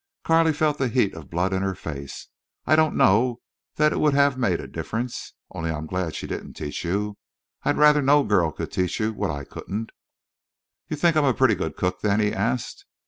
Carley felt the heat of blood in her face. "I don't know that it would have made a difference. Only—I'm glad she didn't teach you. I'd rather no girl could teach you what I couldn't." "You think I'm a pretty good cook, then?" he asked.